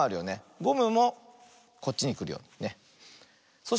ゴムもこっちにくるように。